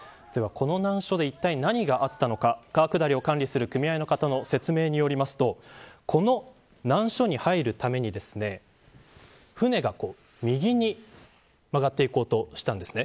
この難所でいったい何があったのか川下りを管理する組合の説明の方によりますとこの難所に入るために舟が右に曲がっていこうとしたんです。